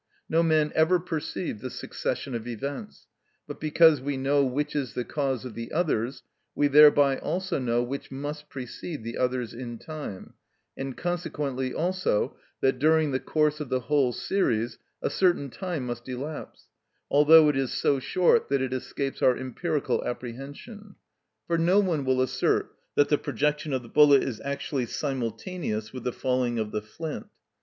No man ever perceived this succession of events; but because we know which is the cause of the others, we thereby also know which must precede the others in time, and consequently also that during the course of the whole series a certain time must elapse, although it is so short that it escapes our empirical apprehension; for no one will assert that the projection of the bullet is actually simultaneous with the falling of the flint.